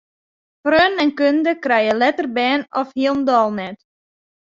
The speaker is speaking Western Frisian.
Freonen en kunde krije letter bern of hielendal net.